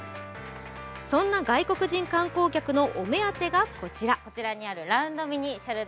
そんな外国人観光客のお目当てがこちら。